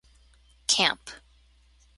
Camp.